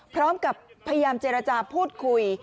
พร้อมกับพยายามเจรจาพูดคุย